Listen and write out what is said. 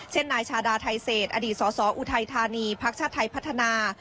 เช่นนายชาดาไทยเศษอศอุทัยธานีพรรคชาตรไทยพัฒนา